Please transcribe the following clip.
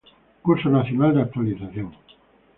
Curso Nacional de Actualización.